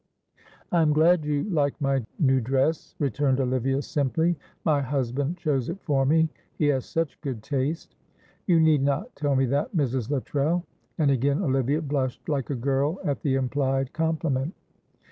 "I am glad you like my new dress," returned Olivia, simply. "My husband chose it for me, he has such good taste." "You need not tell me that, Mrs. Luttrell." And again Olivia blushed like a girl at the implied compliment.